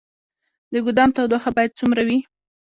د ګدام تودوخه باید څومره وي؟